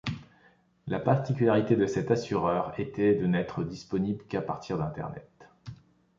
La particularité de cet assureur était de n'être disponible qu'à partir d'Internet.